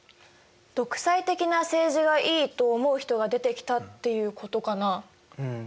独裁的な政治がいいと思う人が出てきたっていうことかな？